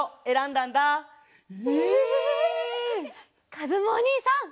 かずむおにいさん。